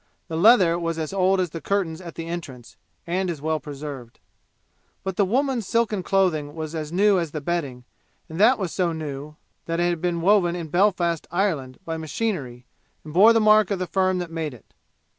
The leather was as old as the curtains at the entrance, and as well preserved. But the woman's silken clothing was as new as the bedding; and that was so new that it had been woven in Belfast, Ireland, by machinery and bore the mark of the firm that made it!